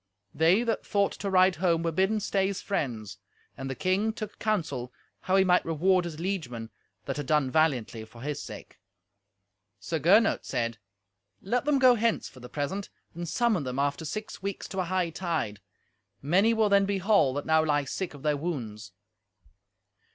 They that thought to ride home were bidden stay as friends. And the king took counsel how he might reward his liegemen that had done valiantly for his sake. Sir Gernot said, "Let them go hence for the present, and summon them after six weeks to a hightide. Many will then be whole that now lie sick of their wounds."